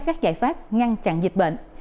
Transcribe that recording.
các giải pháp ngăn chặn dịch bệnh